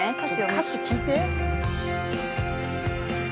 歌詞聞いて。